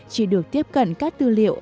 chỉ được tiếp cận các tư liệu